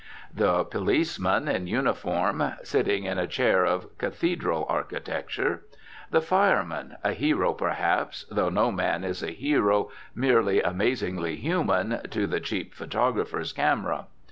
The policeman, in uniform (sitting in a chair of cathedral architecture). The fireman (a hero, perhaps, though no man is a hero, merely amazingly human, to the cheap photographer's camera).